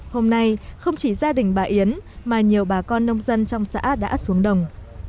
hôm nay không chỉ gia đình bà yến mà nhiều bà con nông dân trong xã đã xuống đồng